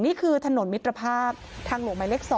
นี่คือถนนมิตรภาพทางหลวงหมายเลข๒